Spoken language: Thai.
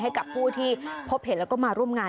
ให้กับผู้ที่พบเห็นแล้วก็มาร่วมงาน